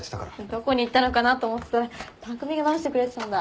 どこに行ったのかなと思ってたら匠が直してくれてたんだ。